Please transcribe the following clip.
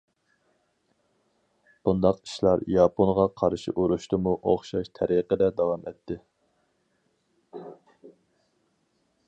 بۇنداق ئىشلار ياپونغا قارشى ئۇرۇشتىمۇ ئوخشاش تەرىقىدە داۋام ئەتتى.